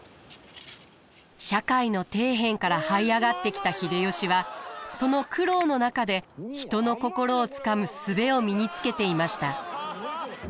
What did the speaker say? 社会の底辺からはい上がってきた秀吉はその苦労の中で人の心をつかむ術を身につけていました。